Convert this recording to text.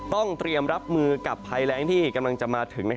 ต้องเตรียมรับมือกับภัยแรงที่กำลังจะมาถึง